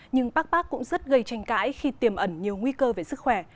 nhưng bác cũng rất gây tranh cãi khi tiềm ẩn nhiều nguy cơ về sức khỏe